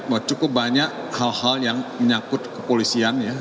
bahwa cukup banyak hal hal yang menyangkut kepolisian ya